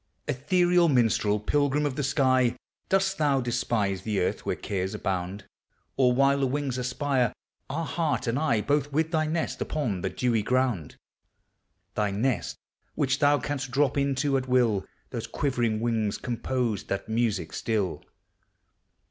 Ethereal minstrel ! pilgrim of the sky ! Dost thou despise the earth where cares abound Or, while the wings aspire, are heart and eye Both with thy nest upon the dewy ground? Thy nest, which thou canst drop into at will, Those quivering wings composed, that music still